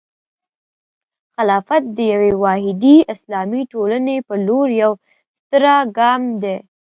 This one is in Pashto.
خلافت د یوې واحدې اسلامي ټولنې په لور یوه ستره ګام دی.